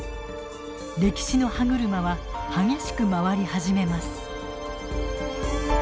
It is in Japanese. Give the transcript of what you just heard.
歴史の歯車は激しく回り始めます。